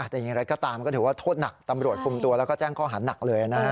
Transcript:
แต่อย่างไรก็ตามก็ถือว่าโทษหนักตำรวจคุมตัวแล้วก็แจ้งข้อหาหนักเลยนะฮะ